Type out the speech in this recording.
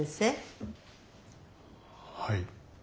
はい。